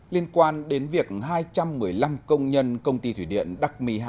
liên quan đến việc hai trăm một mươi năm công nhân công ty thủy điện đắc my hai